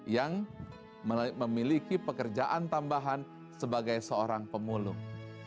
yang memiliki pekerjaan tambahan sebagai seorang pemulung